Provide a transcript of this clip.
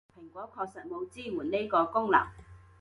蘋果確實冇支援呢個功能